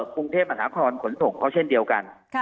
กรุงเทพมหานครขนส่งเขาเช่นเดียวกัน